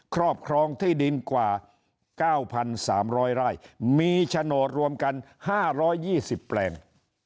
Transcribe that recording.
ครอบครองที่ดินกว่า๙๓๐๐ไร่มีโฉนดรวมกัน๕๒๐แปลง